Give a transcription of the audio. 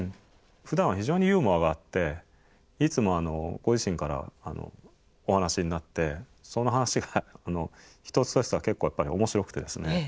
ふだんは非常にユーモアがあっていつもご自身からお話しになってその話が一つ一つが結構やっぱり面白くてですね。